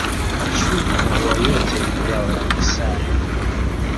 Chuma maua yote yao rangi sare.